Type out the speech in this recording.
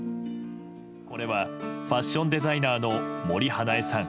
これはファッションデザイナーの森英恵さん